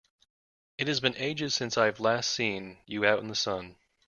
It has been ages since I've last seen you out in the sun!